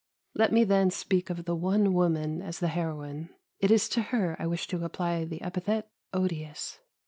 Let me then speak of the one woman as the heroine; it is to her I wish to apply the epithet odious.